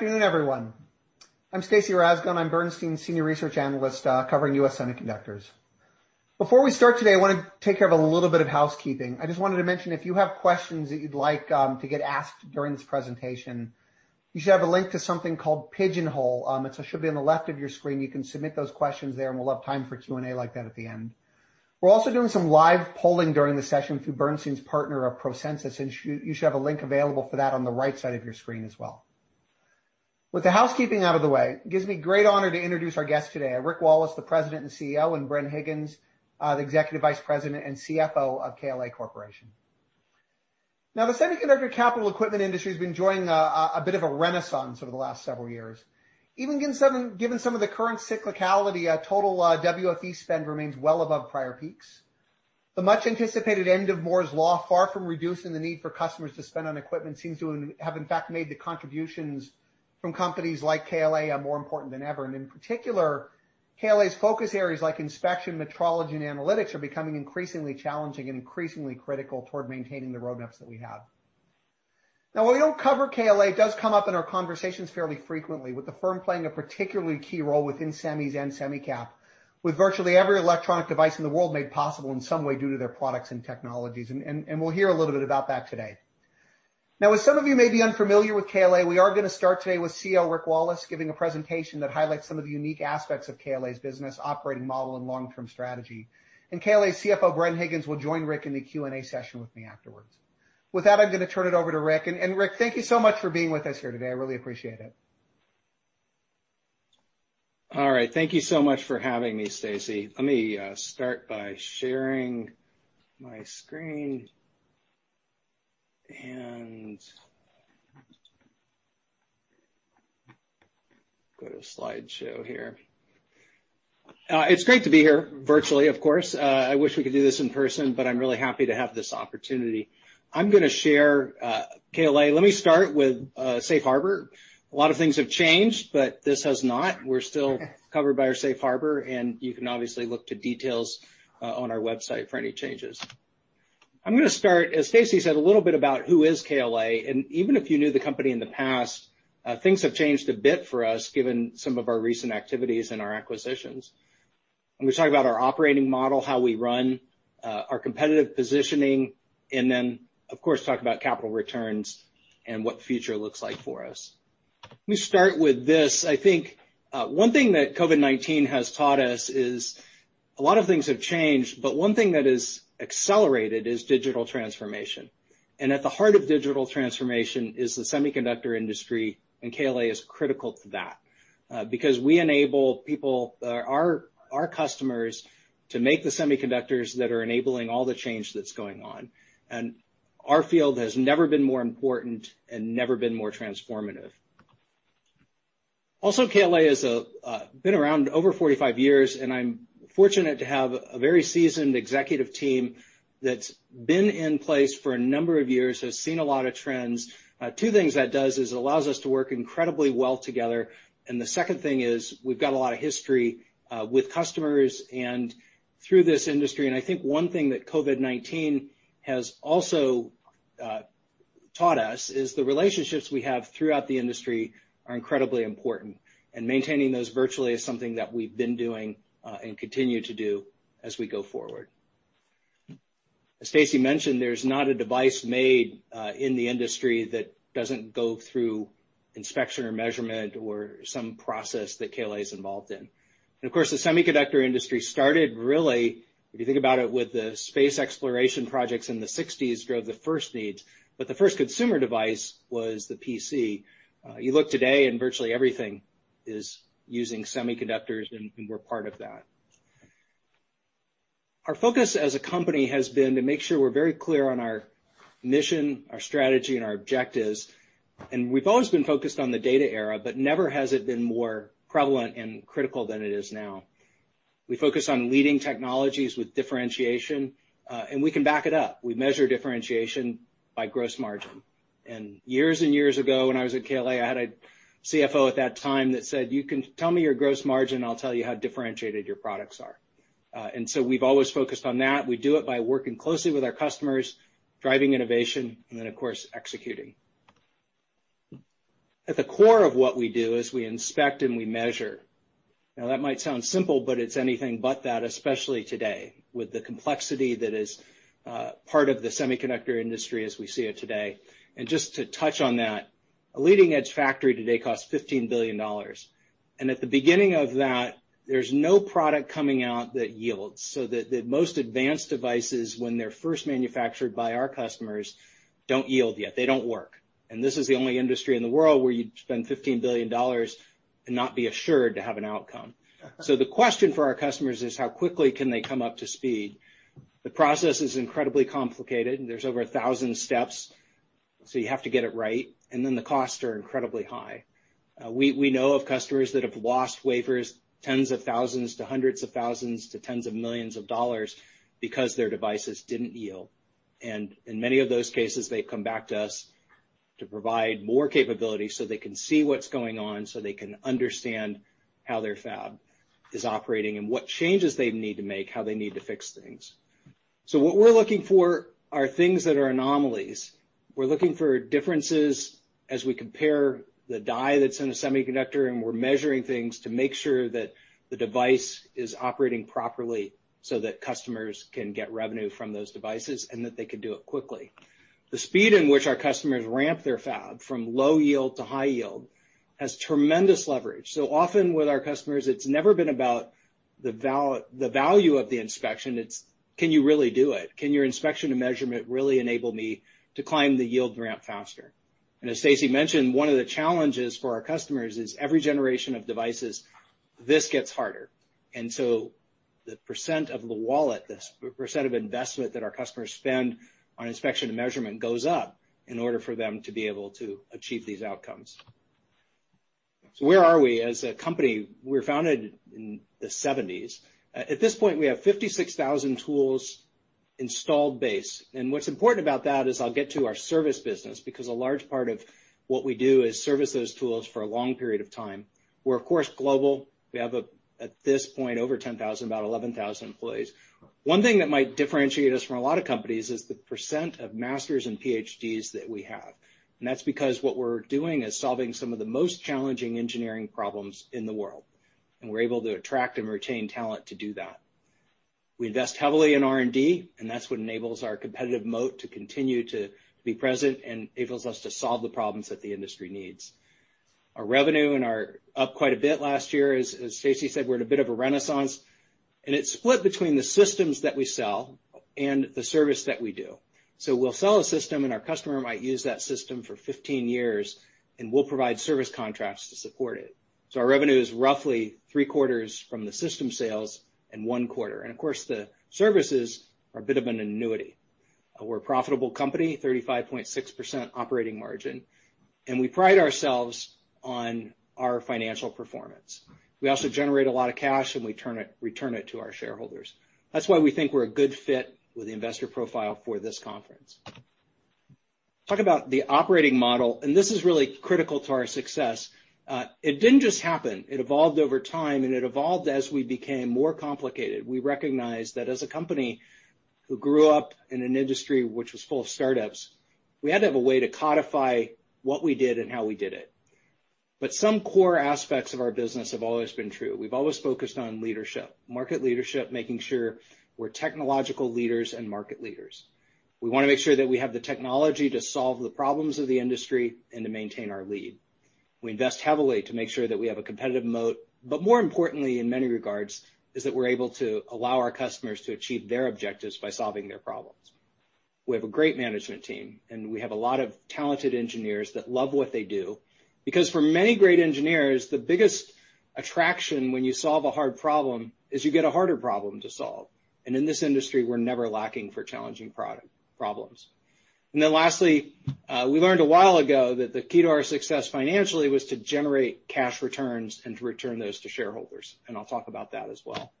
Good afternoon, everyone. I'm Stacy Rasgon. I'm Bernstein Senior Research Analyst, covering U.S. semiconductors. Before we start today, I want to take care of a little bit of housekeeping. I just wanted to mention, if you have questions that you'd like to get asked during this presentation, you should have a link to something called Pigeonhole. It should be on the left of your screen. You can submit those questions there, and we'll have time for Q&A like that at the end. We're also doing some live polling during the session through Bernstein's partner, ProSensus, and you should have a link available for that on the right side of your screen as well. With the housekeeping out of the way, it gives me great honor to introduce our guests today, Rick Wallace, the President and CEO, and Bren Higgins, the Executive Vice President and CFO of KLA Corporation. Now, the semiconductor capital equipment industry has been enjoying a bit of a renaissance over the last several years. Even given some of the current cyclicality, total WFE spend remains well above prior peaks. The much-anticipated end of Moore's Law, far from reducing the need for customers to spend on equipment, seems to have in fact made the contributions from companies like KLA more important than ever. In particular, KLA's focus areas like inspection, metrology, and analytics are becoming increasingly challenging and increasingly critical toward maintaining the roadmaps that we have. Now, while we don't cover KLA, it does come up in our conversations fairly frequently, with the firm playing a particularly key role within semis and semi cap, with virtually every electronic device in the world made possible in some way due to their products and technologies. We'll hear a little bit about that today. Now, as some of you may be unfamiliar with KLA, we are going to start today with CEO Rick Wallace giving a presentation that highlights some of the unique aspects of KLA's business, operating model, and long-term strategy. KLA CFO Bren Higgins will join Rick in the Q&A session with me afterwards. With that, I'm going to turn it over to Rick. Rick, thank you so much for being with us here today. I really appreciate it. All right. Thank you so much for having me, Stacy. Let me start by sharing my screen and go to slideshow here. It's great to be here, virtually of course. I wish we could do this in person, but I'm really happy to have this opportunity. I'm going to share KLA. Let me start with Safe Harbor. A lot of things have changed, but this has not. We're still covered by our Safe Harbor, and you can obviously look to details on our website for any changes. I'm going to start, as Stacy said, a little bit about who is KLA. Even if you knew the company in the past, things have changed a bit for us given some of our recent activities and our acquisitions. I'm going to talk about our operating model, how we run, our competitive positioning, then, of course, talk about capital returns and what the future looks like for us. Let me start with this. I think one thing that COVID-19 has taught us is a lot of things have changed, but one thing that has accelerated is digital transformation. At the heart of digital transformation is the semiconductor industry, and KLA is critical to that. Because we enable our customers to make the semiconductors that are enabling all the change that's going on. Our field has never been more important and never been more transformative. Also, KLA has been around over 45 years, and I'm fortunate to have a very seasoned executive team that's been in place for a number of years, has seen a lot of trends. Two things that does is it allows us to work incredibly well together, the second thing is we've got a lot of history with customers and through this industry. I think one thing that COVID-19 has also taught us is the relationships we have throughout the industry are incredibly important, and maintaining those virtually is something that we've been doing, and continue to do as we go forward. As Stacy mentioned, there's not a device made in the industry that doesn't go through inspection or measurement or some process that KLA is involved in. Of course, the semiconductor industry started really, if you think about it, with the space exploration projects in the 1960s, drove the first needs. The first consumer device was the PC. You look today virtually everything is using semiconductors, and we're part of that. Our focus as a company has been to make sure we're very clear on our mission, our strategy, and our objectives. We've always been focused on the data era, but never has it been more prevalent and critical than it is now. We focus on leading technologies with differentiation, and we can back it up. We measure differentiation by gross margin. Years and years ago, when I was at KLA, I had a CFO at that time that said, "You can tell me your gross margin, I'll tell you how differentiated your products are." We've always focused on that. We do it by working closely with our customers, driving innovation, and then of course, executing. At the core of what we do is we inspect and we measure. Now, that might sound simple, but it's anything but that, especially today with the complexity that is part of the semiconductor industry as we see it today. Just to touch on that, a leading-edge factory today costs $15 billion. At the beginning of that, there's no product coming out that yields. The most advanced devices, when they're first manufactured by our customers, don't yield yet. They don't work. This is the only industry in the world where you'd spend $15 billion and not be assured to have an outcome. The question for our customers is, how quickly can they come up to speed? The process is incredibly complicated, and there's over 1,000 steps, so you have to get it right, and then the costs are incredibly high. We know of customers that have lost wafers tens of thousands to hundreds of thousands to tens of millions of dollars because their devices didn't yield. In many of those cases, they've come back to us to provide more capability so they can see what's going on, so they can understand how their fab is operating and what changes they need to make, how they need to fix things. What we're looking for are things that are anomalies. We're looking for differences as we compare the die that's in a semiconductor, and we're measuring things to make sure that the device is operating properly so that customers can get revenue from those devices, and that they can do it quickly. The speed in which our customers ramp their fab from low yield to high yield has tremendous leverage. Often with our customers, it's never been about the value of the inspection, it's can you really do it? Can your inspection and measurement really enable me to climb the yield ramp faster? As Stacy mentioned, one of the challenges for our customers is every generation of devices, this gets harder. The percent of the wallet, the percent of investment that our customers spend on inspection and measurement goes up in order for them to be able to achieve these outcomes. Where are we as a company? We were founded in the 1970s. At this point, we have 56,000 tools installed base. What's important about that is I'll get to our service business, because a large part of what we do is service those tools for a long period of time. We're, of course, global. We have, at this point, over 10,000, about 11,000 employees. One thing that might differentiate us from a lot of companies is the percent of masters and PhDs that we have. That's because what we're doing is solving some of the most challenging engineering problems in the world, and we're able to attract and retain talent to do that. We invest heavily in R&D, and that's what enables our competitive moat to continue to be present and enables us to solve the problems that the industry needs. Our revenue up quite a bit last year. As Stacy said, we're in a bit of a renaissance, and it's split between the systems that we sell and the service that we do. We'll sell a system, and our customer might use that system for 15 years, and we'll provide service contracts to support it. Our revenue is roughly three-quarters from the system sales and one quarter. Of course, the services are a bit of an annuity. We're a profitable company, 35.6% operating margin, and we pride ourselves on our financial performance. We also generate a lot of cash, and we return it to our shareholders. That's why we think we're a good fit with the investor profile for this conference. Talk about the operating model, and this is really critical to our success. It didn't just happen. It evolved over time, and it evolved as we became more complicated. We recognized that as a company who grew up in an industry which was full of startups, we had to have a way to codify what we did and how we did it. Some core aspects of our business have always been true. We've always focused on leadership, market leadership, making sure we're technological leaders and market leaders. We want to make sure that we have the technology to solve the problems of the industry and to maintain our lead. We invest heavily to make sure that we have a competitive moat, but more importantly, in many regards, is that we're able to allow our customers to achieve their objectives by solving their problems. We have a great management team, and we have a lot of talented engineers that love what they do, because for many great engineers, the biggest attraction when you solve a hard problem is you get a harder problem to solve. In this industry, we're never lacking for challenging problems. Lastly, we learned a while ago that the key to our success financially was to generate cash returns and to return those to shareholders, and I'll talk about that as well.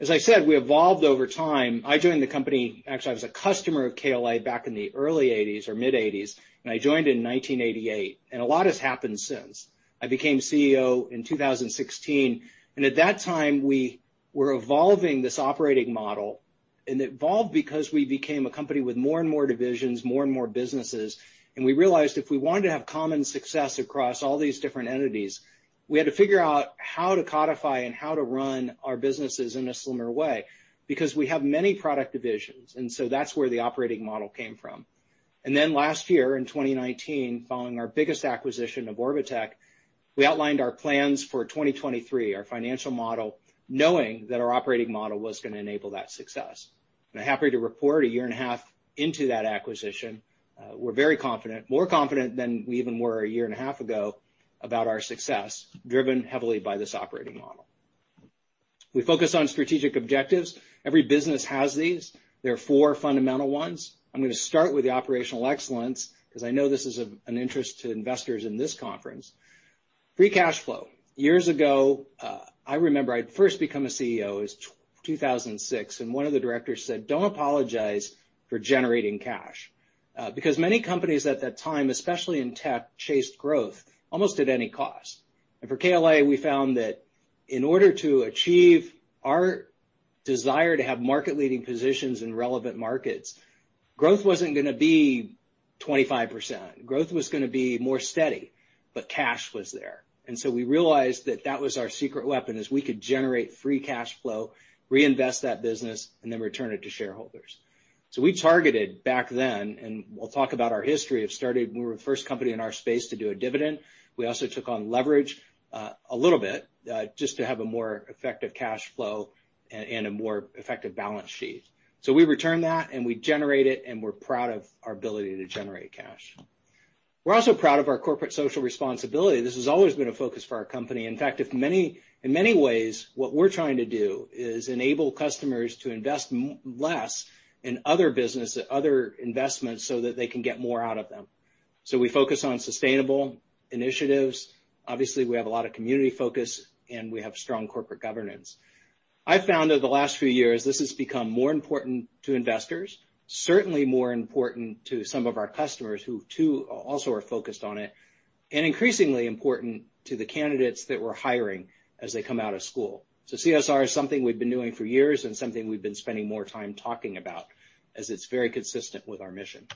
As I said, we evolved over time. I joined the company, actually, I was a customer of KLA back in the early '80s or mid '80s, I joined in 1988, a lot has happened since. I became CEO in 2016, at that time, we were evolving this operating model, it evolved because we became a company with more and more divisions, more and more businesses, we realized if we wanted to have common success across all these different entities, we had to figure out how to codify and how to run our businesses in a slimmer way, because we have many product divisions. That's where the operating model came from. Last year, in 2019, following our biggest acquisition of Orbotech, we outlined our plans for 2023, our financial model, knowing that our operating model was going to enable that success. I'm happy to report a year and a half into that acquisition, we're very confident, more confident than we even were a year and a half ago, about our success, driven heavily by this operating model. We focus on strategic objectives. Every business has these. There are four fundamental ones. I'm going to start with the operational excellence, because I know this is an interest to investors in this conference. Free cash flow. Years ago, I remember I'd first become a CEO, it was 2006, and one of the directors said, "Don't apologize for generating cash." Because many companies at that time, especially in tech, chased growth almost at any cost. For KLA, we found that in order to achieve our desire to have market-leading positions in relevant markets, growth wasn't going to be 25%. Cash was there. We realized that that was our secret weapon, is we could generate free cash flow, reinvest that business, and then return it to shareholders. We targeted back then, and we'll talk about our history. It started when we were the first company in our space to do a dividend. We also took on leverage, a little bit, just to have a more effective cash flow and a more effective balance sheet. We return that, and we generate it, and we're proud of our ability to generate cash. We're also proud of our corporate social responsibility. This has always been a focus for our company. In fact, in many ways, what we're trying to do is enable customers to invest less in other business, other investments, so that they can get more out of them. We focus on sustainable initiatives. Obviously, we have a lot of community focus, and we have strong corporate governance. I found over the last few years, this has become more important to investors, certainly more important to some of our customers, who too, also are focused on it. Increasingly important to the candidates that we're hiring as they come out of school. CSR is something we've been doing for years and something we've been spending more time talking about as it's very consistent with our mission.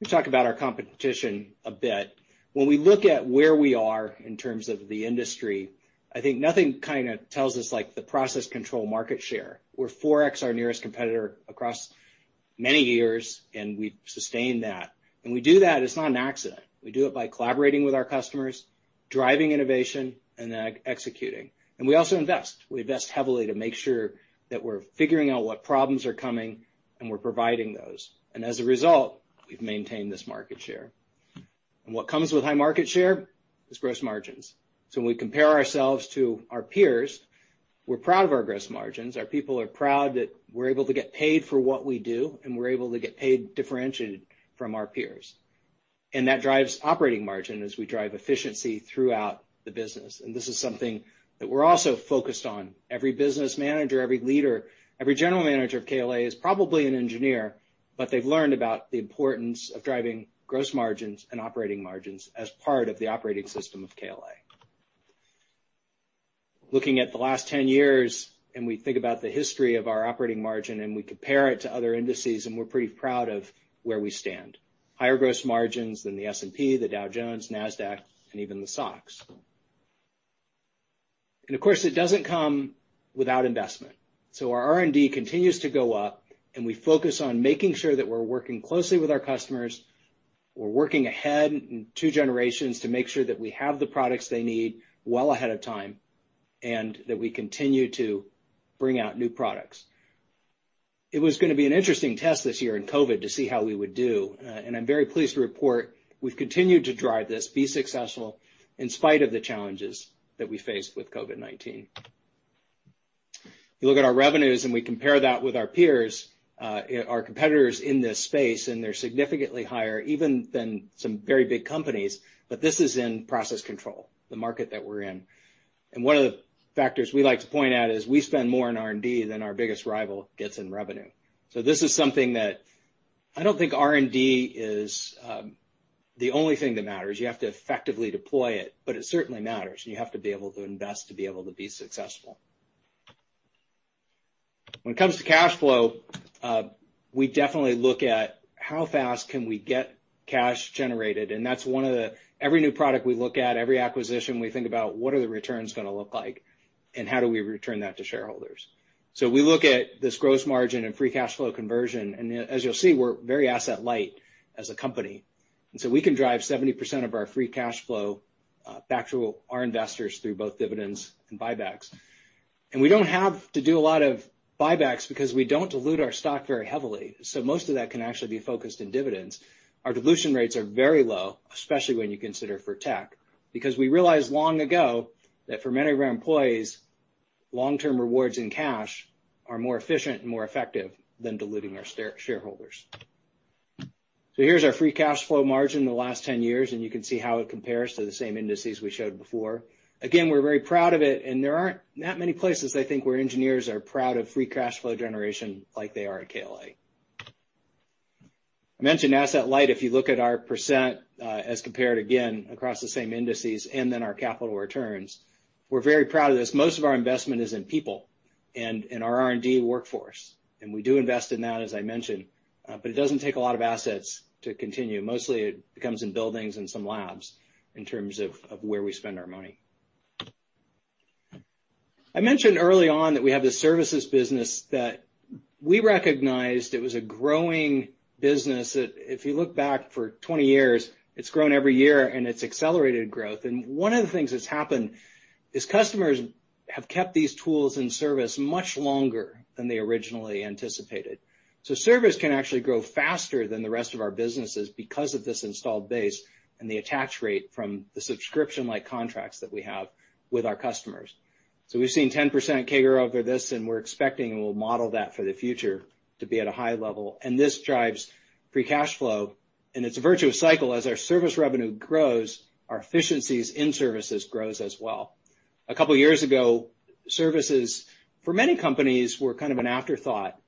We talk about our competition a bit. When we look at where we are in terms of the industry, I think nothing tells us like the process control market share. We're 4x our nearest competitor across many years, and we've sustained that. We do that, it's not an accident. We do it by collaborating with our customers, driving innovation, and executing. We also invest. We invest heavily to make sure that we're figuring out what problems are coming, and we're providing those. As a result, we've maintained this market share. When we compare ourselves to our peers, we're proud of our gross margins. Our people are proud that we're able to get paid for what we do, and we're able to get paid differentiated from our peers. That drives operating margin as we drive efficiency throughout the business. This is something that we're also focused on. Every business manager, every leader, every general manager of KLA is probably an engineer, but they've learned about the importance of driving gross margins and operating margins as part of the operating system of KLA. Looking at the last 10 years, and we think about the history of our operating margin, and we compare it to other indices, and we're pretty proud of where we stand. Higher gross margins than the S&P, the Dow Jones, Nasdaq, and even the SOX. Of course, it doesn't come without investment. Our R&D continues to go up, and we focus on making sure that we're working closely with our customers, we're working ahead in two generations to make sure that we have the products they need well ahead of time, and that we continue to bring out new products. It was going to be an interesting test this year in COVID to see how we would do. I'm very pleased to report we've continued to drive this, be successful in spite of the challenges that we faced with COVID-19. You look at our revenues, we compare that with our peers, our competitors in this space, they're significantly higher even than some very big companies. This is in process control, the market that we're in. One of the factors we like to point out is we spend more on R&D than our biggest rival gets in revenue. This is something that I don't think R&D is the only thing that matters. You have to effectively deploy it certainly matters, you have to be able to invest to be able to be successful. When it comes to cash flow, we definitely look at how fast can we get cash generated, and that's every new product we look at, every acquisition we think about what are the returns going to look like, and how do we return that to shareholders. We look at this gross margin and free cash flow conversion. As you'll see, we're very asset light as a company. We can drive 70% of our free cash flow back to our investors through both dividends and buybacks. We don't have to do a lot of buybacks because we don't dilute our stock very heavily. Most of that can actually be focused in dividends. Our dilution rates are very low, especially when you consider for tech, because we realized long ago that for many of our employees, long-term rewards in cash are more efficient and more effective than diluting our shareholders. Here's our free cash flow margin the last 10 years, and you can see how it compares to the same indices we showed before. Again, we're very proud of it, and there aren't that many places I think where engineers are proud of free cash flow generation like they are at KLA. I mentioned asset light. If you look at our percent as compared again across the same indices and then our capital returns, we're very proud of this. Most of our investment is in people and in our R&D workforce, and we do invest in that, as I mentioned, but it doesn't take a lot of assets to continue. Mostly, it comes in buildings and some labs in terms of where we spend our money. I mentioned early on that we have this services business that we recognized it was a growing business that if you look back for 20 years, it's grown every year, and it's accelerated growth. One of the things that's happened is customers have kept these tools in service much longer than they originally anticipated. Service can actually grow faster than the rest of our businesses because of this installed base and the attach rate from the subscription-like contracts that we have with our customers. We've seen 10% CAGR over this, and we're expecting, and we'll model that for the future to be at a high level. This drives free cash flow, and it's a virtuous cycle. As our service revenue grows, our efficiencies in services grows as well. A couple of years ago, services for many companies were kind of an afterthought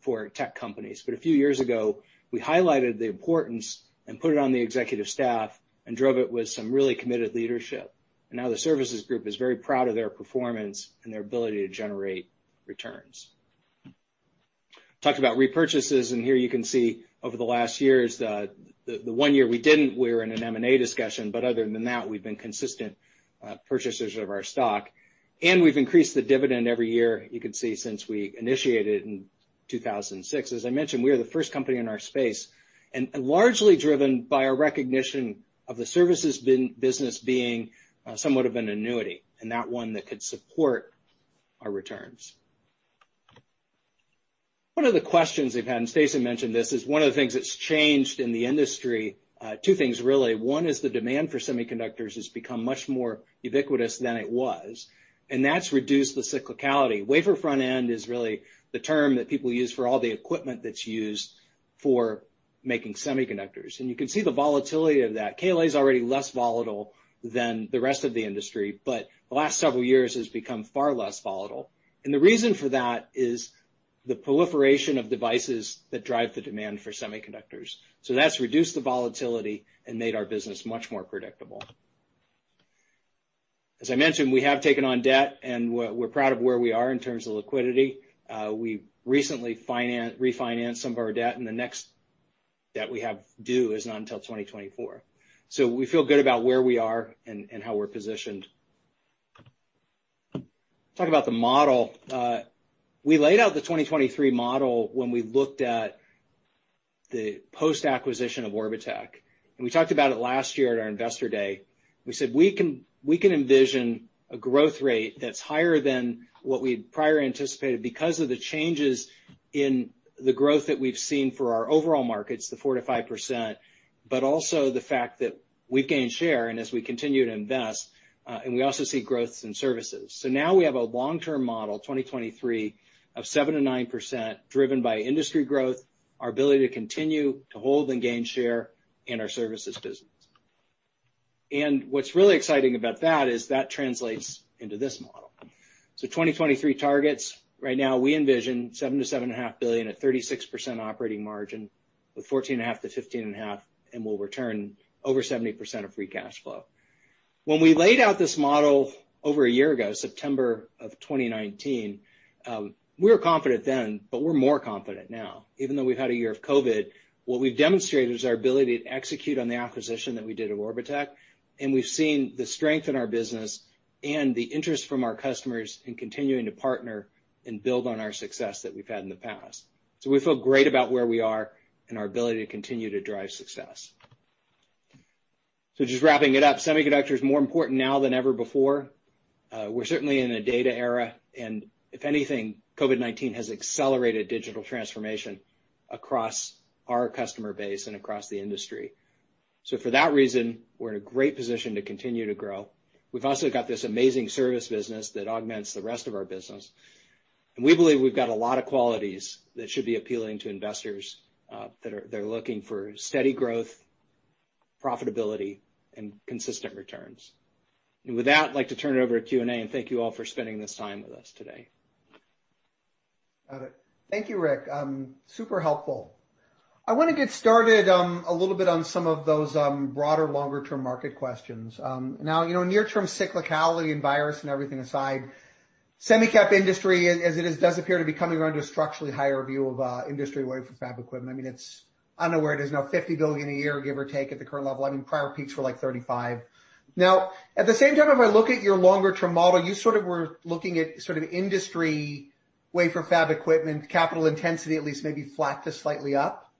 for tech companies. A few years ago, we highlighted the importance and put it on the executive staff and drove it with some really committed leadership. Now the services group is very proud of their performance and their ability to generate returns. Talked about repurchases, here you can see over the last years, the one year we didn't, we were in an M&A discussion, other than that, we've been consistent purchasers of our stock. We've increased the dividend every year, you can see, since we initiated in 2006. As I mentioned, we are the first company in our space and largely driven by a recognition of the services business being somewhat of an annuity, and that one that could support our returns. One of the questions we've had, and Stacy mentioned this, is one of the things that's changed in the industry, two things really. One is the demand for semiconductors has become much more ubiquitous than it was, and that's reduced the cyclicality. wafer fab equipment is really the term that people use for all the equipment that's used for making semiconductors. You can see the volatility of that. KLA is already less volatile than the rest of the industry, but the last several years has become far less volatile. The reason for that is the proliferation of devices that drive the demand for semiconductors. That's reduced the volatility and made our business much more predictable. As I mentioned, we have taken on debt, and we're proud of where we are in terms of liquidity. We recently refinanced some of our debt, and the next debt we have due is not until 2024. We feel good about where we are and how we're positioned. Talk about the model. We laid out the 2023 model when we looked at the post-acquisition of Orbotech, and we talked about it last year at our Investor Day. We said we can envision a growth rate that's higher than what we had prior anticipated because of the changes in the growth that we've seen for our overall markets, the 4%-5%, but also the fact that we've gained share, and as we continue to invest, and we also see growth in services. Now we have a long-term model, 2023, of 7%-9% driven by industry growth, our ability to continue to hold and gain share in our services business. What's really exciting about that is that translates into this model. 2023 targets. Right now, we envision $7 billion-$7.5 billion at 36% operating margin, with 14.5%-15.5%, and we'll return over 70% of free cash flow. When we laid out this model over a year ago, September of 2019, we were confident then, but we're more confident now. Even though we've had a year of COVID, what we've demonstrated is our ability to execute on the acquisition that we did at Orbotech, and we've seen the strength in our business and the interest from our customers in continuing to partner and build on our success that we've had in the past. We feel great about where we are and our ability to continue to drive success. Just wrapping it up, semiconductor is more important now than ever before. We're certainly in a data era, and if anything, COVID-19 has accelerated digital transformation across our customer base and across the industry. For that reason, we're in a great position to continue to grow. We've also got this amazing service business that augments the rest of our business. We believe we've got a lot of qualities that should be appealing to investors that are looking for steady growth, profitability, and consistent returns. With that, I'd like to turn it over to Q&A, and thank you all for spending this time with us today. Got it. Thank you, Rick. Super helpful. I want to get started a little bit on some of those broader, longer-term market questions. Near-term cyclicality and virus and everything aside, semicap industry as it is, does appear to be coming around to a structurally higher view of industry wafer fab equipment. I don't know where it is now, $50 billion a year, give or take, at the current level. Prior peaks were like $35 billion. At the same time, if I look at your longer-term model, you sort of were looking at sort of industry wafer fab equipment, capital intensity at least maybe flat to slightly up.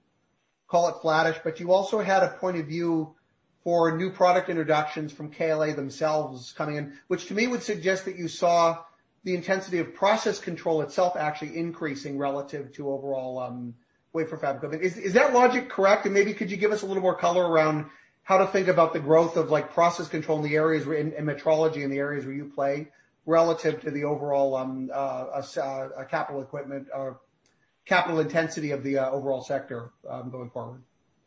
Call it flattish, but you also had a point of view for new product introductions from KLA themselves coming in, which to me would suggest that you saw the intensity of process control itself actually increasing relative to overall wafer fab. Is that logic correct? Maybe could you give us a little more color around how to think about the growth of process control in the areas where in metrology, in the areas where you play relative to the overall capital equipment or capital intensity of the overall sector going forward?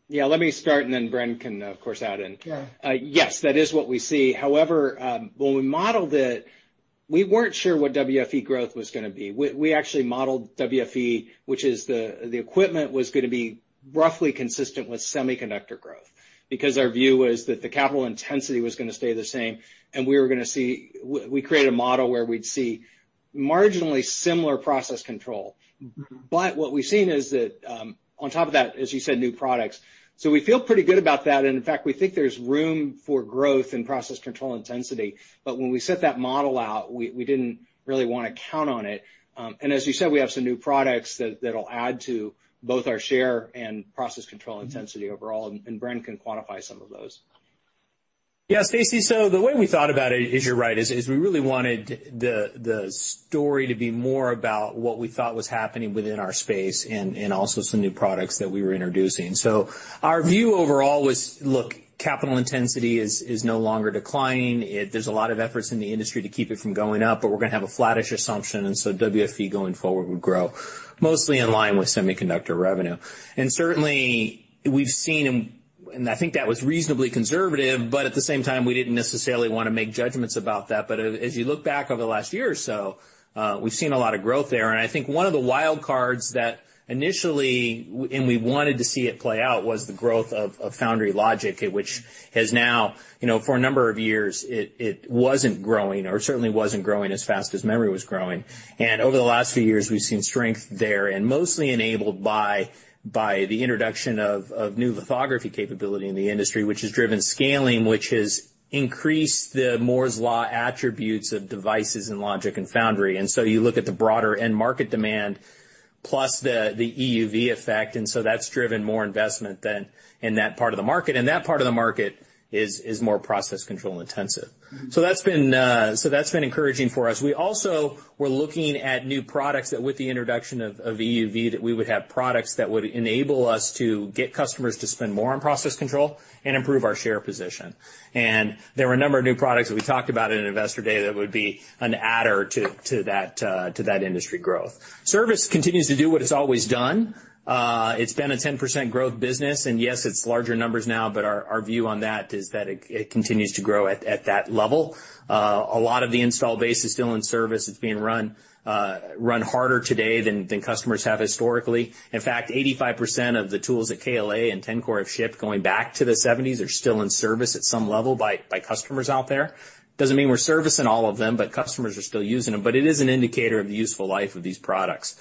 Yeah. Let me start, and then Bren can, of course, add in. Yeah. Yes. That is what we see. When we modeled it, we weren't sure what WFE growth was going to be. We actually modeled WFE, which is the equipment was going to be roughly consistent with semiconductor growth because our view was that the capital intensity was going to stay the same. We created a model where we'd see marginally similar process control. What we've seen is that on top of that, as you said, new products. We feel pretty good about that. In fact, we think there's room for growth in process control intensity. When we set that model out, we didn't really want to count on it. As you said, we have some new products that'll add to both our share and process control intensity overall, and Bren can quantify some of those. Stacy, the way we thought about it is, you're right, is we really wanted the story to be more about what we thought was happening within our space and also some new products that we were introducing. Our view overall was, look, capital intensity is no longer declining. There's a lot of efforts in the industry to keep it from going up, but we're going to have a flattish assumption. WFE going forward would grow mostly in line with semiconductor revenue. Certainly, we've seen, and I think that was reasonably conservative, but at the same time, we didn't necessarily want to make judgments about that. As you look back over the last year or so, we've seen a lot of growth there. I think one of the wild cards that initially, and we wanted to see it play out, was the growth of foundry logic, which has now, for a number of years, it wasn't growing, or certainly wasn't growing as fast as memory was growing. Over the last few years, we've seen strength there, and mostly enabled by the introduction of new lithography capability in the industry, which has driven scaling, which has increased the Moore's Law attributes of devices and logic and foundry. You look at the broader end market demand plus the EUV effect, that's driven more investment then in that part of the market. That part of the market is more process control intensive. That's been encouraging for us. We also were looking at new products that with the introduction of EUV, that we would have products that would enable us to get customers to spend more on process control and improve our share position. There were a number of new products that we talked about in Investor Day that would be an adder to that industry growth. Service continues to do what it's always done. It's been a 10% growth business, and yes, it's larger numbers now, but our view on that is that it continues to grow at that level. A lot of the install base is still in service. It's being run harder today than customers have historically. In fact, 85% of the tools that KLA and Tencor have shipped going back to the '70s are still in service at some level by customers out there. Doesn't mean we're servicing all of them, but customers are still using them, but it is an indicator of the useful life of these products.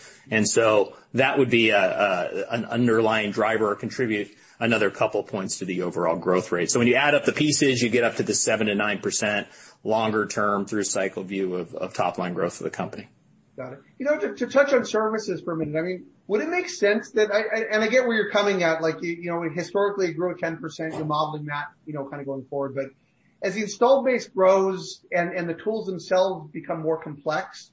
That would be an underlying driver or contribute another couple points to the overall growth rate. When you add up the pieces, you get up to the 7%-9% longer term through cycle view of top-line growth of the company. Got it. To touch on services for a minute, would it make sense that I get where you're coming at, historically it grew at 10%, you're modeling that, kind of going forward. As the install base grows and the tools themselves become more complex,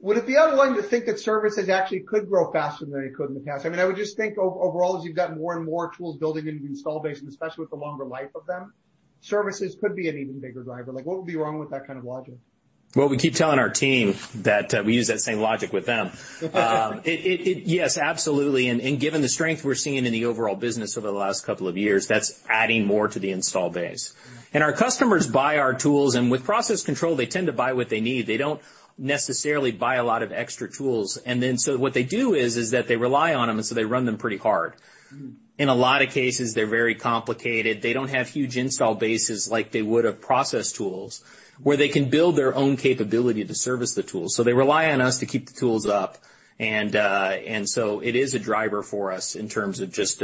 would it be out of line to think that services actually could grow faster than they could in the past? I would just think overall, as you've got more and more tools building into the install base, and especially with the longer life of them, services could be an even bigger driver. What would be wrong with that kind of logic? Well, we keep telling our team that we use that same logic with them. Yes, absolutely. Given the strength we're seeing in the overall business over the last couple of years, that's adding more to the install base. Our customers buy our tools, and with process control, they tend to buy what they need. They don't necessarily buy a lot of extra tools. What they do is that they rely on them, and so they run them pretty hard. In a lot of cases, they're very complicated. They don't have huge install bases like they would have process tools, where they can build their own capability to service the tools. They rely on us to keep the tools up. It is a driver for us in terms of just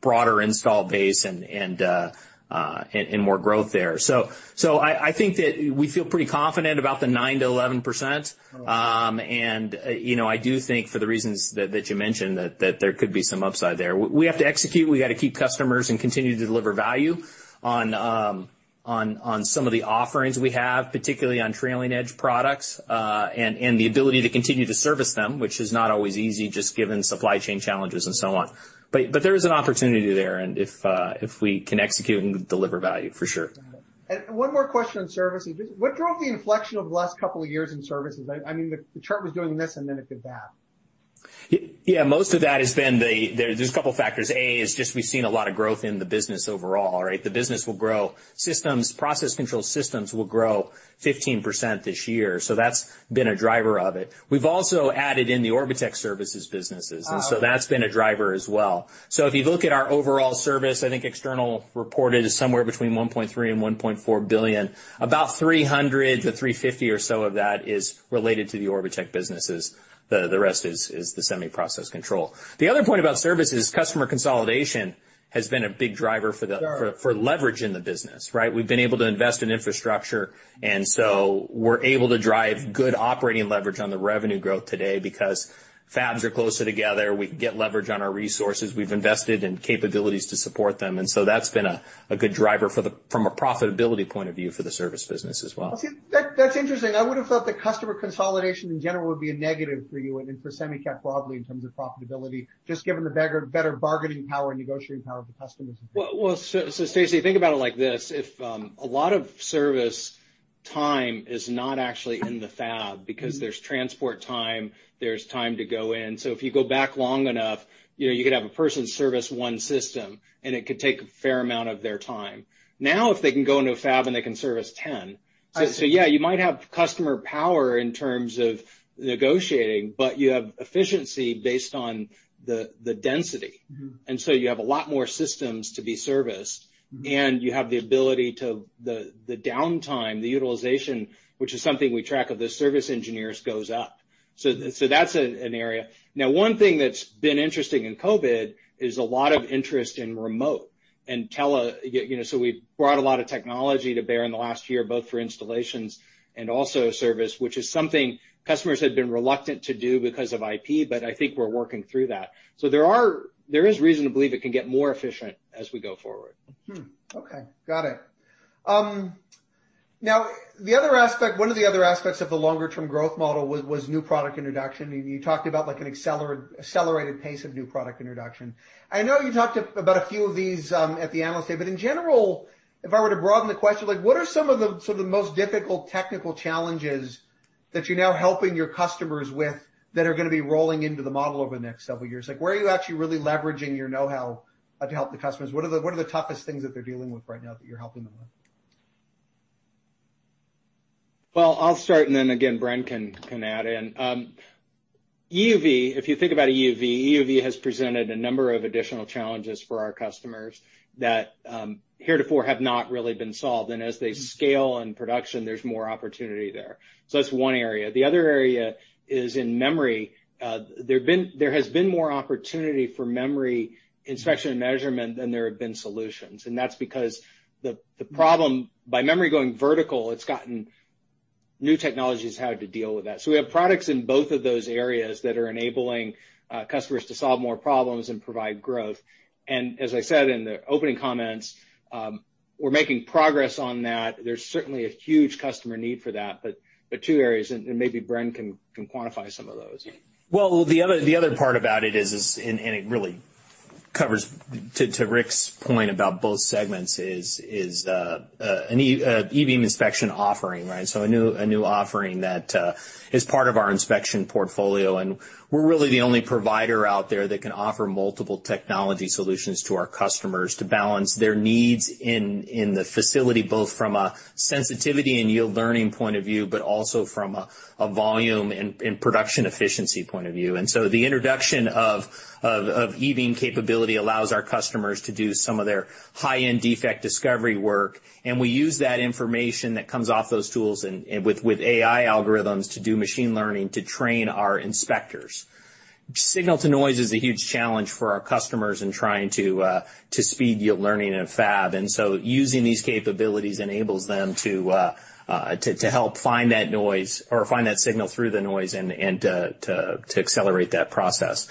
broader install base and more growth there. I think that we feel pretty confident about the 9%-11%. Okay. I do think for the reasons that you mentioned, that there could be some upside there. We have to execute, we've got to keep customers and continue to deliver value on some of the offerings we have, particularly on trailing edge products, and the ability to continue to service them, which is not always easy just given supply chain challenges and so on. There is an opportunity there, and if we can execute and deliver value, for sure. Got it. One more question on services. What drove the inflection over the last couple of years in services? The chart was doing this, and then it did that. Yeah, most of that has been the, there's a couple factors. A, is just we've seen a lot of growth in the business overall, right? The business will grow. process control systems will grow 15% this year. That's been a driver of it. We've also added in the Orbotech services businesses. Oh, okay. That's been a driver as well. If you look at our overall service, I think external reported is somewhere between $1.3 billion and $1.4 billion. About $300 million-$350 million or so of that is related to the Orbotech businesses. The rest is the semi-process control. The other point about service is customer consolidation has been a big driver for the Sure for leverage in the business, right? We've been able to invest in infrastructure, and so we're able to drive good operating leverage on the revenue growth today because fabs are closer together, we can get leverage on our resources. We've invested in capabilities to support them. So that's been a good driver from a profitability point of view for the service business as well. That's interesting. I would have thought that customer consolidation in general would be a negative for you and for Semicap broadly in terms of profitability, just given the better bargaining power and negotiating power of the customers. Well, Stacy, think about it like this. If a lot of service time is not actually in the fab, because there's transport time, there's time to go in. If you go back long enough, you could have a person service one system, and it could take a fair amount of their time. Now, if they can go into a fab and they can service 10. I see. Yeah, you might have customer power in terms of negotiating, but you have efficiency based on the density. You have a lot more systems to be serviced. You have the ability to, the downtime, the utilization, which is something we track of the service engineers, goes up. That's an area. Now, one thing that's been interesting in COVID, is a lot of interest in remote and tele. We've brought a lot of technology to bear in the last year, both for installations and also service, which is something customers had been reluctant to do because of IP, but I think we're working through that. There is reason to believe it can get more efficient as we go forward. Hmm, okay. Got it. One of the other aspects of the longer term growth model was new product introduction, and you talked about an accelerated pace of new product introduction. I know you talked about a few of these at the Investor Day, but in general, if I were to broaden the question, what are some of the most difficult technical challenges that you're now helping your customers with that are going to be rolling into the model over the next several years? Where are you actually really leveraging your know-how to help the customers? What are the toughest things that they're dealing with right now that you're helping them with? Well, I'll start, then again, Bren can add in. EUV, if you think about EUV has presented a number of additional challenges for our customers that heretofore have not really been solved. As they scale in production, there's more opportunity there. That's one area. The other area is in memory. There has been more opportunity for memory inspection and measurement than there have been solutions, and that's because the problem, by memory going vertical, it's gotten new technologies how to deal with that. We have products in both of those areas that are enabling customers to solve more problems and provide growth. As I said in the opening comments, we're making progress on that. There's certainly a huge customer need for that, but two areas, and maybe Bren can quantify some of those. The other part about it is, it really covers to Rick's point about both segments, is an e-beam inspection offering. A new offering that is part of our inspection portfolio, we're really the only provider out there that can offer multiple technology solutions to our customers to balance their needs in the facility, both from a sensitivity and yield learning point of view, but also from a volume and production efficiency point of view. The introduction of e-beam capability allows our customers to do some of their high-end defect discovery work, we use that information that comes off those tools and with AI algorithms to do machine learning to train our inspectors. Signal to noise is a huge challenge for our customers in trying to speed yield learning and fab. Using these capabilities enables them to help find that noise or find that signal through the noise and to accelerate that process.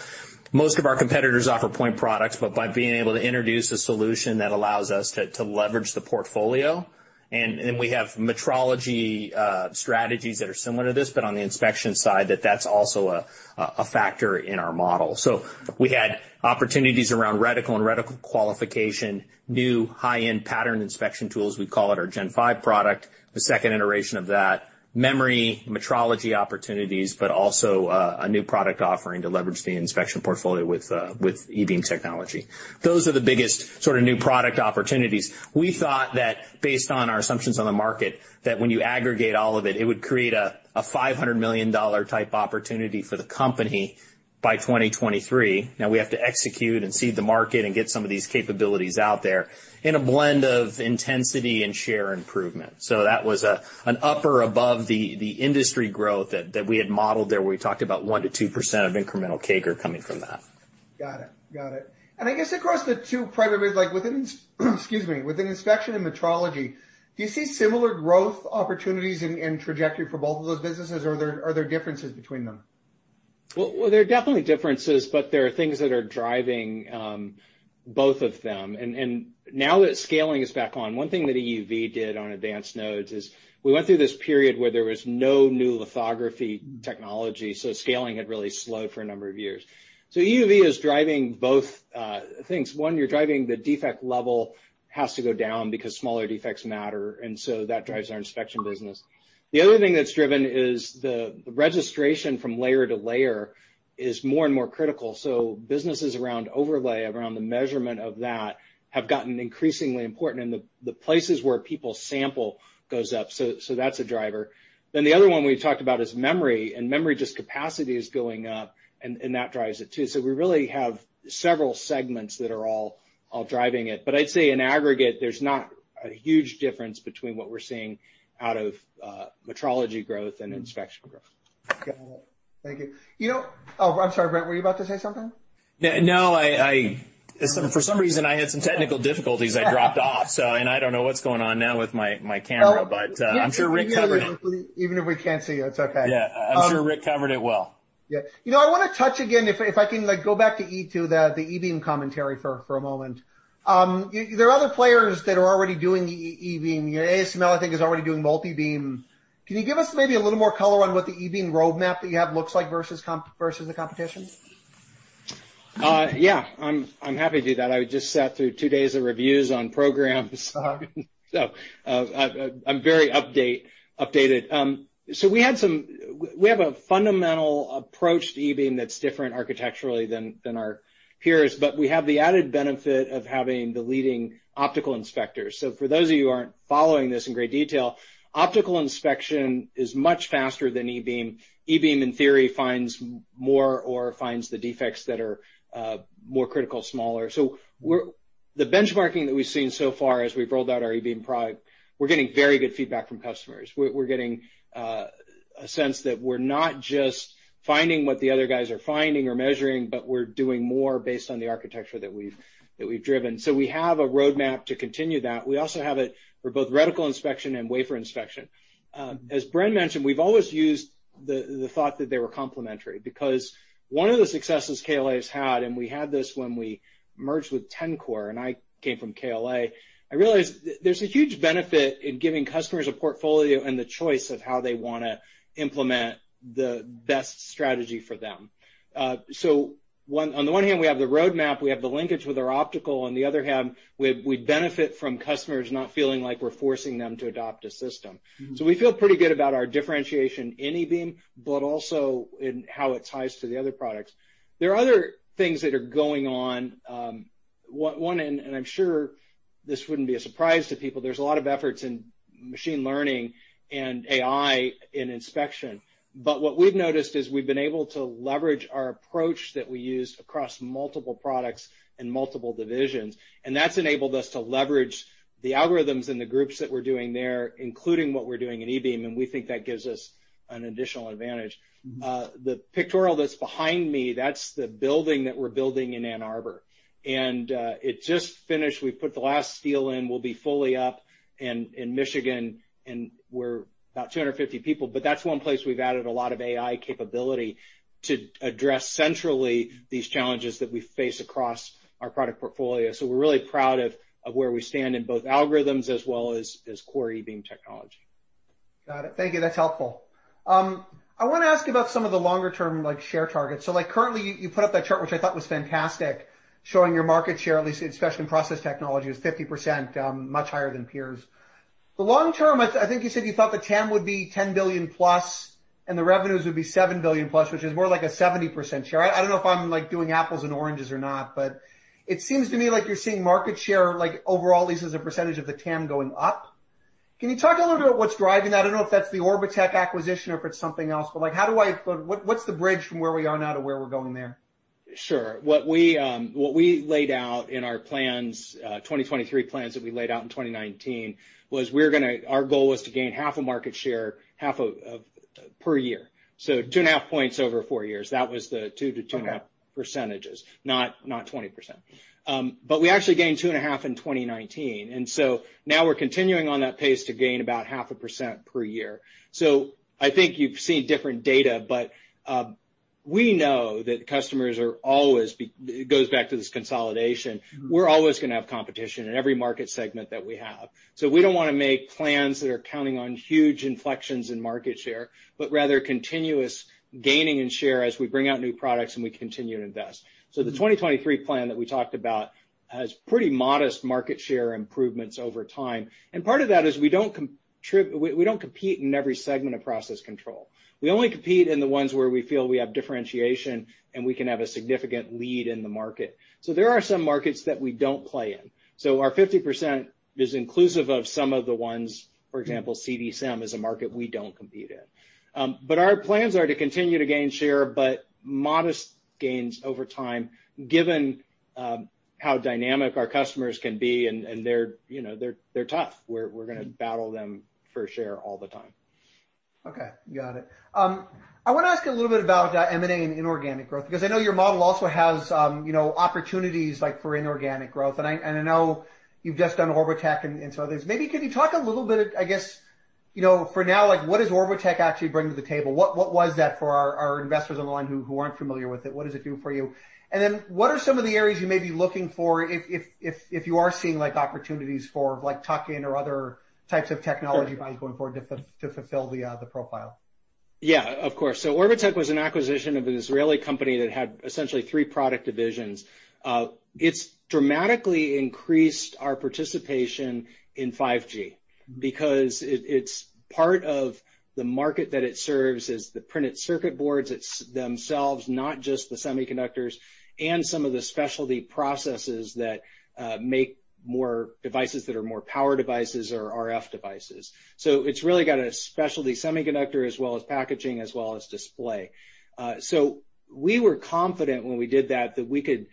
Most of our competitors offer point products, but by being able to introduce a solution that allows us to leverage the portfolio, and we have metrology strategies that are similar to this, but on the inspection side, that's also a factor in our model. We had opportunities around reticle and reticle qualification, new high-end pattern inspection tools, we call it our Gen5 product, the second iteration of that, memory metrology opportunities, but also a new product offering to leverage the inspection portfolio with e-beam technology. Those are the biggest sort of new product opportunities. We thought that based on our assumptions on the market, that when you aggregate all of it would create a $500 million type opportunity for the company by 2023. Now we have to execute and seed the market and get some of these capabilities out there in a blend of intensity and share improvement. That was an upper above the industry growth that we had modeled there, where we talked about 1%-2% of incremental CAGR coming from that. Got it. I guess across the two private bits, like, excuse me, within inspection and metrology, do you see similar growth opportunities and trajectory for both of those businesses, or are there differences between them? There are definitely differences, but there are things that are driving both of them. Now that scaling is back on, one thing that EUV did on advanced nodes is we went through this period where there was no new lithography technology, so scaling had really slowed for a number of years. EUV is driving both things. One, you're driving the defect level has to go down because smaller defects matter, and so that drives our inspection business. The other thing that's driven is the registration from layer to layer is more and more critical, so businesses around overlay, around the measurement of that, have gotten increasingly important, and the places where people sample goes up. That's a driver. The other one we talked about is memory, and memory just capacity is going up, and that drives it too. We really have several segments that are all driving it. I'd say in aggregate, there's not a huge difference between what we're seeing out of metrology growth and inspection growth. Got it. Thank you. Oh, I'm sorry, Bren, were you about to say something? No. For some reason, I had some technical difficulties. I dropped off, so, and I don't know what's going on now with my camera, but I'm sure Rick covered it. Even if we can't see you, it's okay. Yeah. I'm sure Rick covered it well. Yeah. I want to touch again, if I can go back to e-beam, the e-beam commentary for a moment. There are other players that are already doing e-beam. ASML, I think, is already doing multi-beam. Can you give us maybe a little more color on what the e-beam roadmap that you have looks like versus the competition? Yeah. I'm happy to do that. I just sat through two days of reviews on programs, so I'm very updated. We have a fundamental approach to e-beam that's different architecturally than our peers, but we have the added benefit of having the leading optical inspector. For those of you who aren't following this in great detail, optical inspection is much faster than e-beam. e-beam, in theory, finds more or finds the defects that are more critical, smaller. The benchmarking that we've seen so far as we've rolled out our e-beam product, we're getting very good feedback from customers. We're getting a sense that we're not just finding what the other guys are finding or measuring, but we're doing more based on the architecture that we've driven. We have a roadmap to continue that. We also have it for both reticle inspection and wafer inspection. As Bren Higgins mentioned, we've always used the thought that they were complementary because one of the successes KLA has had, and we had this when we merged with Tencor, and I came from KLA, I realized there's a huge benefit in giving customers a portfolio and the choice of how they want to implement the best strategy for them. On the one hand, we have the roadmap, we have the linkage with our optical. On the other hand, we benefit from customers not feeling like we're forcing them to adopt a system. We feel pretty good about our differentiation in e-beam, but also in how it ties to the other products. There are other things that are going on. One, and I'm sure this wouldn't be a surprise to people, there's a lot of efforts in machine learning and AI in inspection. What we've noticed is we've been able to leverage our approach that we use across multiple products and multiple divisions, and that's enabled us to leverage the algorithms and the groups that we're doing there, including what we're doing in e-beam, and we think that gives us an additional advantage. The pictorial that's behind me, that's the building that we're building in Ann Arbor. It just finished. We put the last steel in. We'll be fully up in Michigan, and we're about 250 people, but that's one place we've added a lot of AI capability to address centrally these challenges that we face across our product portfolio. We're really proud of where we stand in both algorithms as well as core e-beam technology. Got it. Thank you. That's helpful. I want to ask about some of the longer term, like share targets. Currently, you put up that chart, which I thought was fantastic, showing your market share, at least in inspection process technology, was 50%, much higher than peers. The long term, I think you said you thought the TAM would be $10 billion plus, and the revenues would be $7 billion plus, which is more like a 70% share. I don't know if I'm doing apples and oranges or not, but it seems to me like you're seeing market share, like overall, at least as a percentage of the TAM going up. Can you talk a little bit about what's driving that? I don't know if that's the Orbotech acquisition or if it's something else, but what's the bridge from where we are now to where we're going there? Sure. What we laid out in our 2023 plans that we laid out in 2019 was our goal was to gain half a market share, half per year. 2.5 points over four years. That was the 2%-2.5%, not 20%. We actually gained 2.5 in 2019, now we're continuing on that pace to gain about 0.5% per year. I think you've seen different data, we know that. It goes back to this consolidation. We're always going to have competition in every market segment that we have. We don't want to make plans that are counting on huge inflections in market share, rather continuous gaining in share as we bring out new products and we continue to invest. The 2023 plan that we talked about has pretty modest market share improvements over time, and part of that is we don't compete in every segment of process control. We only compete in the ones where we feel we have differentiation, and we can have a significant lead in the market. There are some markets that we don't play in. Our 50% is inclusive of some of the ones, for example, CD-SEM is a market we don't compete in. Our plans are to continue to gain share, but modest gains over time, given how dynamic our customers can be, and they're tough. We're going to battle them for share all the time. Okay. Got it. I want to ask a little bit about M&A and inorganic growth, because I know your model also has opportunities like for inorganic growth, and I know you've just done Orbotech and some others. Maybe could you talk a little bit, I guess, for now, what does Orbotech actually bring to the table? What was that for our investors on the line who aren't familiar with it, what does it do for you? Then what are some of the areas you may be looking for if you are seeing opportunities for tuck-in or other types of technology buys going forward to fulfill the profile? Yeah, of course. Orbotech was an acquisition of an Israeli company that had essentially three product divisions. It's dramatically increased our participation in 5G because it's part of the market that it serves is the printed circuit boards themselves, not just the semiconductors, and some of the specialty processes that make more devices that are more power devices or RF devices. It's really got a specialty semiconductor as well as packaging as well as display. We were confident when we did that that we could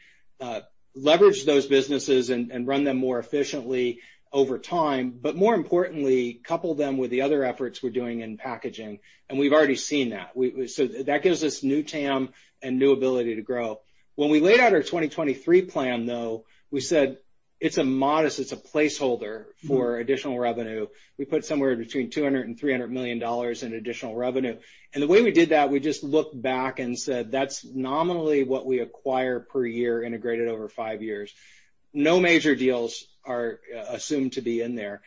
leverage those businesses and run them more efficiently over time, but more importantly, couple them with the other efforts we're doing in packaging, and we've already seen that. That gives us new TAM and new ability to grow. When we laid out our 2023 plan, though, we said it's a modest, it's a placeholder for additional revenue. We put somewhere between $200 million and $300 million in additional revenue. The way we did that, we just looked back and said, "That's nominally what we acquire per year integrated over five years." No major deals are assumed to be in there.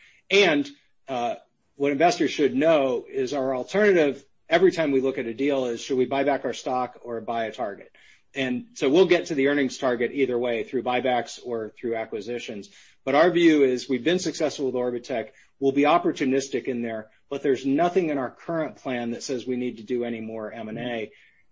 What investors should know is our alternative every time we look at a deal is should we buy back our stock or buy a target? We'll get to the earnings target either way through buybacks or through acquisitions. Our view is we've been successful with Orbotech. We'll be opportunistic in there, but there's nothing in our current plan that says we need to do any more M&A.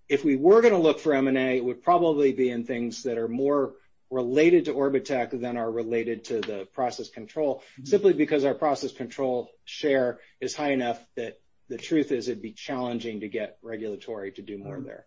If we were going to look for M&A, it would probably be in things that are more related to Orbotech than are related to the process control, simply because our process control share is high enough that the truth is it'd be challenging to get regulatory to do more there.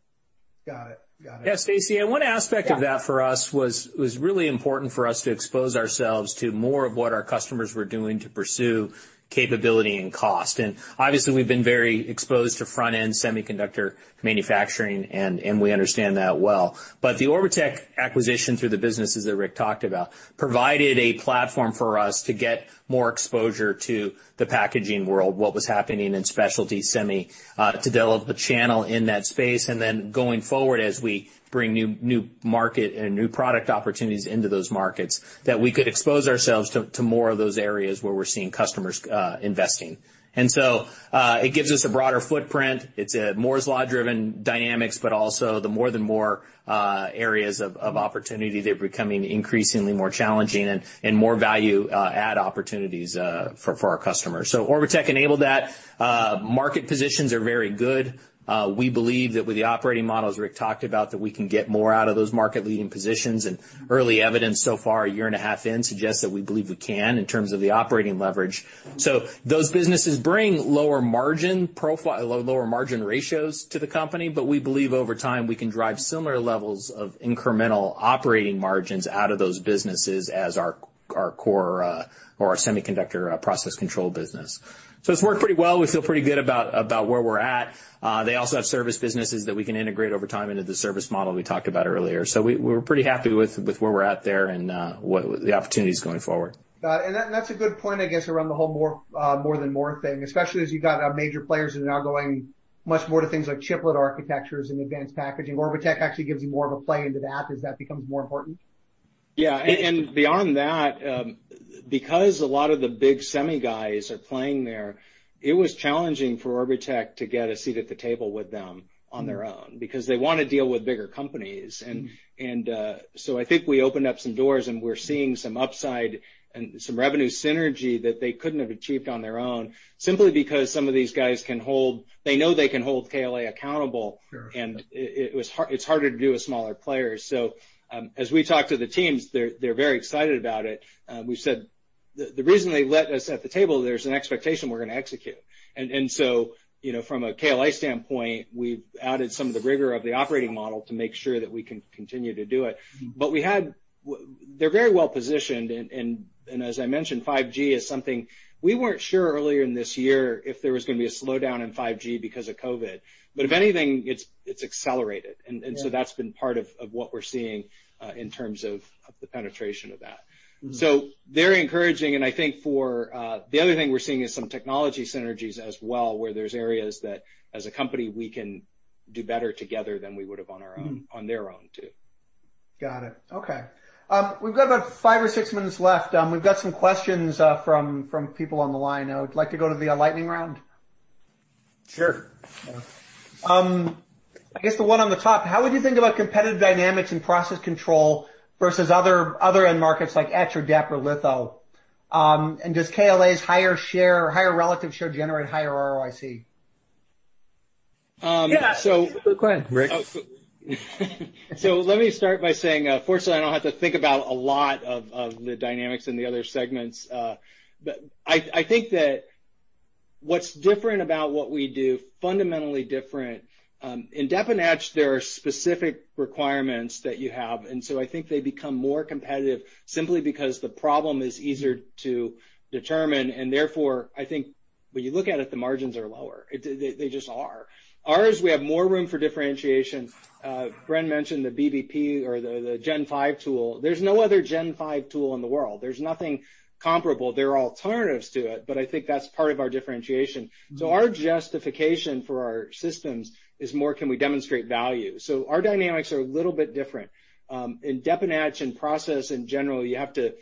Got it. Yeah, Stacy, one aspect of that for us was really important for us to expose ourselves to more of what our customers were doing to pursue capability and cost. Obviously, we've been very exposed to front-end semiconductor manufacturing, and we understand that well. The Orbotech acquisition, through the businesses that Rick talked about, provided a platform for us to get more exposure to the packaging world, what was happening in specialty semi, to develop a channel in that space, and then going forward, as we bring new market and new product opportunities into those markets, that we could expose ourselves to more of those areas where we're seeing customers investing. It gives us a broader footprint. It's a Moore's Law-driven dynamics, but also the More than Moore areas of opportunity that are becoming increasingly more challenging and more value add opportunities for our customers. Orbotech enabled that. Market positions are very good. We believe that with the operating models Rick talked about, that we can get more out of those market leading positions, and early evidence so far a year and a half in suggests that we believe we can in terms of the operating leverage. Those businesses bring lower margin ratios to the company, but we believe over time, we can drive similar levels of incremental operating margins out of those businesses as our core, or our semiconductor process control business. It's worked pretty well. We feel pretty good about where we're at. They also have service businesses that we can integrate over time into the service model we talked about earlier. We're pretty happy with where we're at there and the opportunities going forward. Got it. That's a good point, I guess, around the whole More than Moore thing, especially as you've got major players that are now going much more to things like chiplet architectures and advanced packaging. Orbotech actually gives you more of a play into that as that becomes more important. Yeah. Beyond that, because a lot of the big semi guys are playing there, it was challenging for Orbotech to get a seat at the table with them on their own, because they want to deal with bigger companies. I think we opened up some doors, and we're seeing some upside and some revenue synergy that they couldn't have achieved on their own, simply because some of these guys know they can hold KLA accountable, and it's harder to do with smaller players. As we talk to the teams, they're very excited about it. We said the reason they let us at the table, there's an expectation we're going to execute. From a KLA standpoint, we've added some of the rigor of the operating model to make sure that we can continue to do it. They're very well positioned, and as I mentioned, 5G is something we weren't sure earlier in this year if there was going to be a slowdown in 5G because of COVID, but if anything, it's accelerated. Yeah. That's been part of what we're seeing, in terms of the penetration of that. Very encouraging, and I think for the other thing we're seeing is some technology synergies as well, where there's areas that as a company, we can do better together than we would have on our own, on their own too. Got it. Okay. We've got about five or six minutes left. We've got some questions from people on the line. I would like to go to the lightning round. Sure. Yeah. I guess the one on the top, how would you think about competitive dynamics in process control versus other end markets like etch or deposition or lithography? Does KLA's higher relative share generate higher ROIC? Yeah. Good question, Rick. Let me start by saying, fortunately, I don't have to think about a lot of the dynamics in the other segments. I think that what's different about what we do, fundamentally different, in deposition and etch, there are specific requirements that you have, and so I think they become more competitive simply because the problem is easier to determine, and therefore, I think when you look at it, the margins are lower. They just are. Ours, we have more room for differentiation. Bren mentioned the BBP or the Gen5 tool. There's no other Gen5 tool in the world. There's nothing comparable. There are alternatives to it, but I think that's part of our differentiation. Our justification for our systems is more can we demonstrate value. Our dynamics are a little bit different. In deposition and etch and process in general, you have to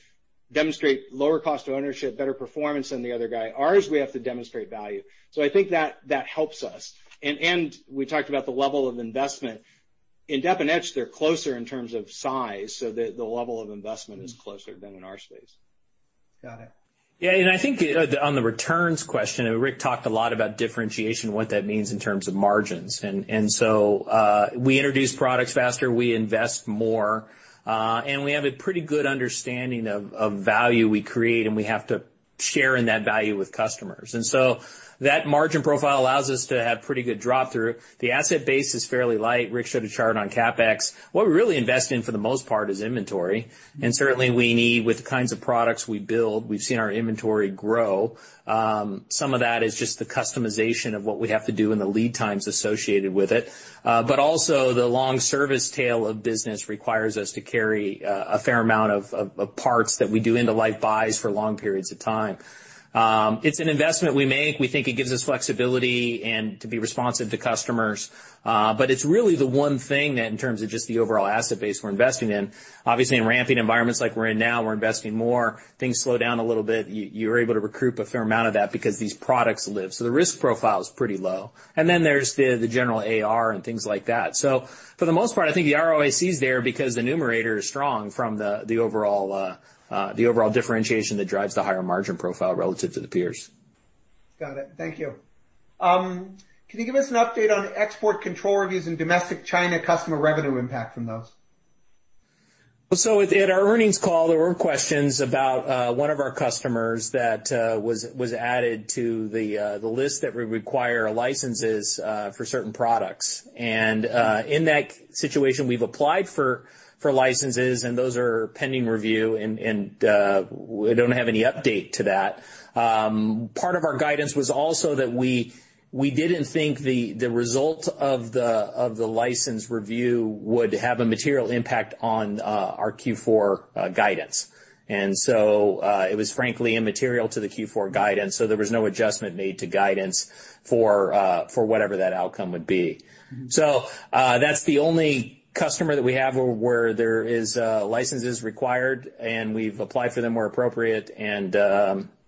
demonstrate lower cost of ownership, better performance than the other guy. Ours, we have to demonstrate value. I think that helps us. We talked about the level of investment. In deposition and etch, they're closer in terms of size, so the level of investment is closer than in our space. Got it. Yeah. I think on the returns question, Rick talked a lot about differentiation, what that means in terms of margins. We introduce products faster, we invest more, and we have a pretty good understanding of value we create, and we have to share in that value with customers. That margin profile allows us to have pretty good drop through. The asset base is fairly light. Rick showed a chart on CapEx. What we really invest in for the most part is inventory. Certainly we need, with the kinds of products we build, we've seen our inventory grow. Some of that is just the customization of what we have to do and the lead times associated with it. Also the long service tail of business requires us to carry a fair amount of parts that we do end-of-life buys for long periods of time. It's an investment we make. We think it gives us flexibility and to be responsive to customers. It's really the one thing that in terms of just the overall asset base we're investing in. Obviously, in ramping environments like we're in now, we're investing more. Things slow down a little bit, you're able to recoup a fair amount of that because these products live. The risk profile is pretty low. Then there's the general AR and things like that. For the most part, I think the ROIC is there because the numerator is strong from the overall differentiation that drives the higher margin profile relative to the peers. Got it. Thank you. Can you give us an update on export control reviews and domestic China customer revenue impact from those? At our earnings call, there were questions about one of our customers that was added to the list that would require licenses for certain products. In that situation, we've applied for licenses, and those are pending review, and we don't have any update to that. Part of our guidance was also that we didn't think the result of the license review would have a material impact on our Q4 guidance. It was frankly immaterial to the Q4 guidance, so there was no adjustment made to guidance for whatever that outcome would be. That's the only customer that we have where there is licenses required, and we've applied for them where appropriate, and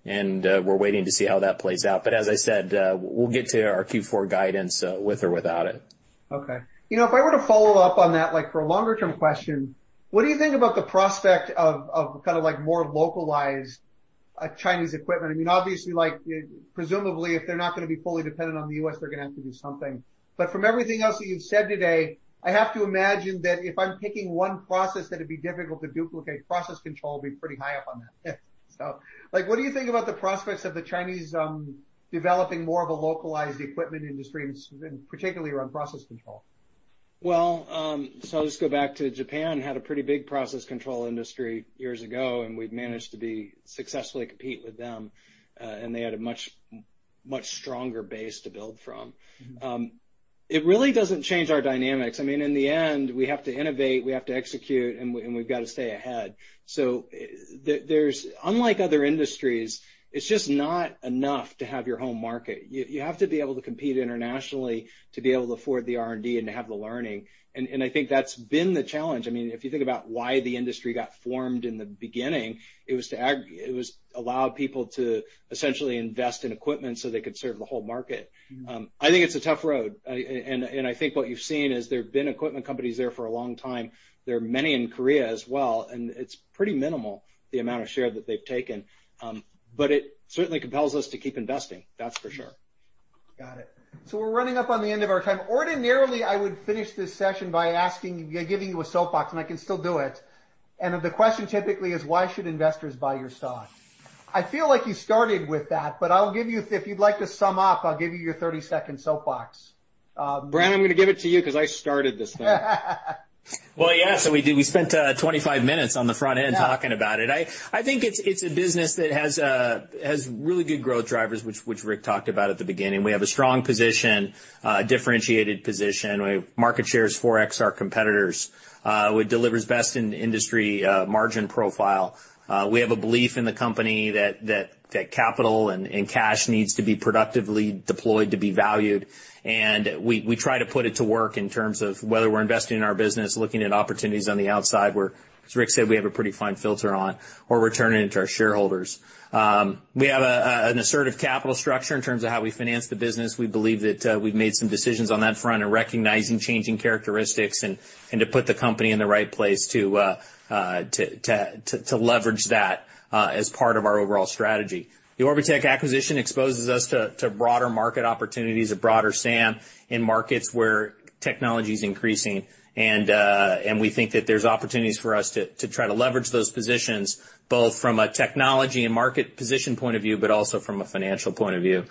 we're waiting to see how that plays out. As I said, we'll get to our Q4 guidance, with or without it. Okay. If I were to follow up on that, like for a longer-term question, what do you think about the prospect of kind of like more localized Chinese equipment? Obviously, presumably, if they're not going to be fully dependent on the U.S., they're going to have to do something. From everything else that you've said today, I have to imagine that if I'm picking one process that it'd be difficult to duplicate, process control would be pretty high up on that list. What do you think about the prospects of the Chinese developing more of a localized equipment industry, particularly around process control? I'll just go back to Japan, had a pretty big process control industry years ago, and we've managed to successfully compete with them, and they had a much stronger base to build from. It really doesn't change our dynamics. In the end, we have to innovate, we have to execute, and we've got to stay ahead. Unlike other industries, it's just not enough to have your home market. You have to be able to compete internationally to be able to afford the R&D and to have the learning, and I think that's been the challenge. If you think about why the industry got formed in the beginning, it was to allow people to essentially invest in equipment so they could serve the whole market. I think it's a tough road. I think what you've seen is there have been equipment companies there for a long time, there are many in Korea as well, and it's pretty minimal, the amount of share that they've taken. It certainly compels us to keep investing. That's for sure. Got it. We're running up on the end of our time. Ordinarily, I would finish this session by giving you a soapbox, and I can still do it. The question typically is, why should investors buy your stock? I feel like you started with that, but if you'd like to sum up, I'll give you your 30-second soapbox. Bren, I'm going to give it to you because I started this thing. Well, yeah. We did. We spent 25 minutes on the front end talking about it. I think it's a business that has really good growth drivers, which Rick talked about at the beginning. We have a strong position, a differentiated position. Our market share is 4X our competitors, delivers best in industry margin profile. We have a belief in the company that capital and cash needs to be productively deployed to be valued. We try to put it to work in terms of whether we're investing in our business, looking at opportunities on the outside where, as Rick said, we have a pretty fine filter on or returning it to our shareholders. We have an assertive capital structure in terms of how we finance the business. We believe that we've made some decisions on that front and recognizing changing characteristics and to put the company in the right place to leverage that as part of our overall strategy. The Orbotech acquisition exposes us to broader market opportunities, a broader SAM in markets where technology's increasing. We think that there's opportunities for us to try to leverage those positions, both from a technology and market position point of view, but also from a financial point of view.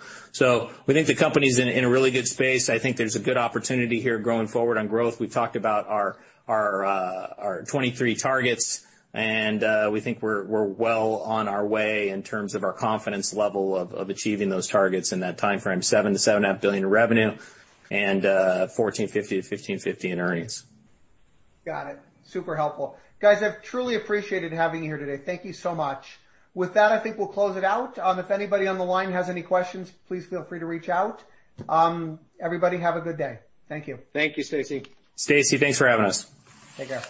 We think the company's in a really good space. I think there's a good opportunity here going forward on growth. We've talked about our 2023 targets, we think we're well on our way in terms of our confidence level of achieving those targets in that timeframe, $7 billion-$7.5 billion in revenue and $14.50-$15.50 in earnings. Got it. Super helpful. Guys, I've truly appreciated having you here today. Thank you so much. With that, I think we'll close it out. If anybody on the line has any questions, please feel free to reach out. Everybody have a good day. Thank you. Thank you, Stacy. Stacy, thanks for having us. Take care.